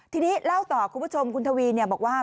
ทีนี้เล่าต่อคุณผู้ชมคุณทวีบอกว่า